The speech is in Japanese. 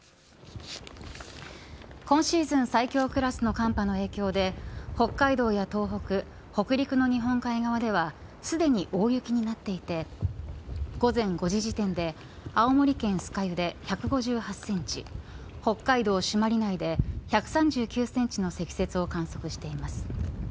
今シーズン最強クラスの寒波の影響で北海道や東北北陸の日本海側ではすでに大雪になっていて午前５時時点で青森県酸ヶ湯で１５８センチ北海道朱鞠内で１３９センチの積雪を観測しています。